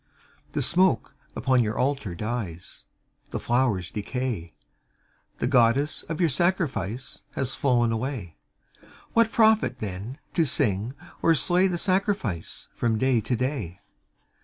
_) The smoke upon your Altar dies, The flowers decay, The Goddess of your sacrifice Has flown away. What profit, then, to sing or slay The sacrifice from day to day?